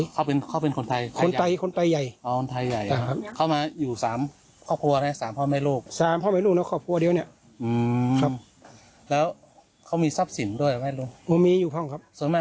ครองภาวนี้เค้าก็ขยันขันแข็งมาทำงานกันอยู่ที่นี่ก็๒๐ปีล่ะ